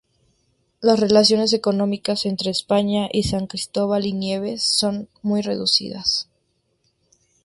Las relaciones económicas entre España y San Cristóbal y Nieves son muy reducidas.